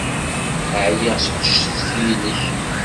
Ɛyiɣ seg ucetki-inek.